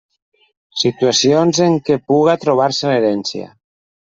Situacions en què puga trobar-se l'herència.